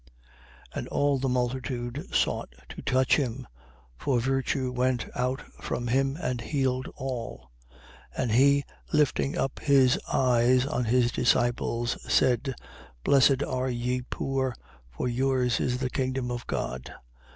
6:19. And all the multitude sought to touch him: for virtue went out from him and healed all. 6:20. And he, lifting up his eyes on his disciples, said: Blessed are ye poor: for yours is the kingdom of God.